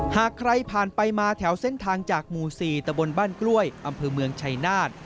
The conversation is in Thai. หากใครผ่านไปมาแถวเส้นทางจากหมู่๔ตะบนบ้านกล้วยอำเภอเมืองชัยนาธ